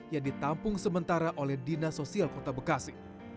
yang ditampung sementara oleh dinas sosial kota bekasi